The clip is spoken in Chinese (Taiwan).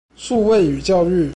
數位與教育